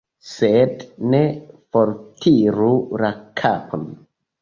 Sed ne fortiru la kapon.